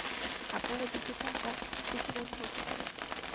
আপনারা দুজন টাকার, বিছানায় ঘুমোতে পারবেন।